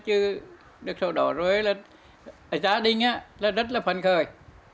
chứ được sổ đỏ rồi gia đình rất là phần khởi